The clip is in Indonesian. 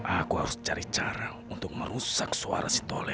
aku harus cari cara untuk merusak suara si tole